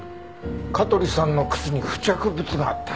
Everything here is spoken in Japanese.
香取さんの靴に付着物があった。